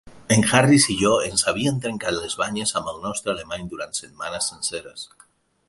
En Harris i jo ens havíem trencat les banyes amb el nostre alemany durant setmanes senceres.